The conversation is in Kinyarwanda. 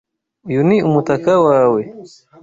Uyu ni umutaka wawe?